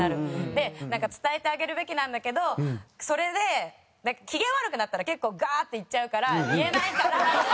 で伝えてあげるべきなんだけどそれで機嫌悪くなったら結構ガーッていっちゃうから言えないから。